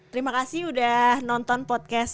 terima kasih udah nonton podcast